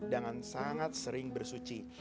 dan sangat sering bersuci